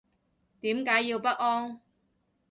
點解要不安